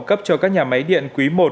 cấp cho các nhà máy điện quý một